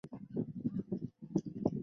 足球大决战！